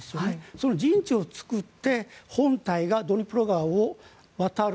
その陣地を作って本隊がドニプロ川を渡る。